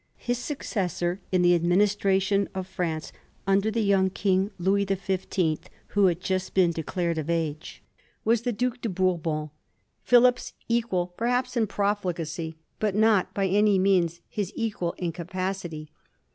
His successor in the administration of France, under the young King Louis the Fifteenth, who had just been declared of age, was the Duke de Bourbon, Philip's equal perhaps in profligacy, but not by any means his equal in capacity.